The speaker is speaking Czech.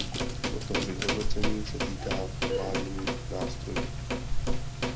Toto vyhodnocení se týká provádění nástrojů.